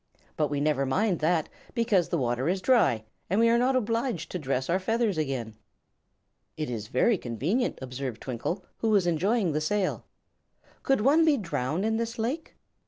But we never mind that, because the water is dry and we are not obliged to dress our feathers again." "It is very convenient," observed Twinkle, who was enjoying the sail. "Could one be drowned in this lake?"